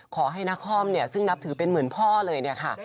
ขอให้นักคล่อมซึ่งนับถือเป็นเหมือนพ่อเลยนะคะ